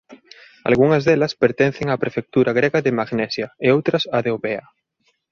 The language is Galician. Algunhas delas pertencen á prefectura grega de Magnesia e outras á de Eubea.